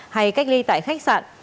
hay cách ly tại khách sạn